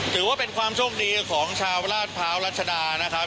ถือว่าเป็นความช่วงดีของชาวราชพร้าวรัชดาราชพร้าวนะครับ